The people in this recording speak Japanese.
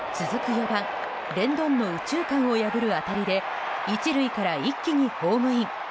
４番レンドンの右中間を破る当たりで１塁から一気にホームイン。